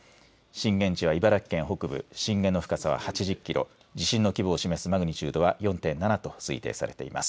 震源地は茨城県北部、震源の深さは８０キロ、地震の規模を示すマグニチュードは４．７と推定されています。